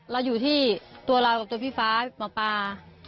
เราอยู่ที่ตัวเรากับตัวพี่ฟ้าหมอปลา